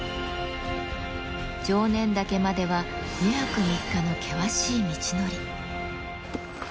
常念岳までは２泊３日の険しい道のり。